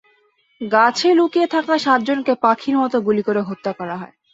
গাছে লুকিয়ে থাকা সাতজনকে পাখির মতো গুলি করে হত্যা করা হয়।